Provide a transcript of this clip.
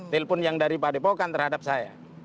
telepon yang dari pak depok kan terhadap saya